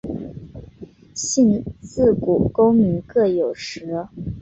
信自古功名各有时。